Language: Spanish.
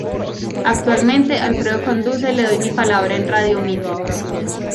Actualmente, Alfredo conduce Le doy mi palabra en Radio Mitre.